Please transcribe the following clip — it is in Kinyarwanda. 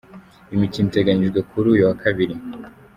Imikino iteganyijwe kuri uyu wa Kabiri